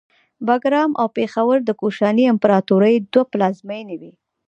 باګرام او پیښور د کوشاني امپراتورۍ دوه پلازمینې وې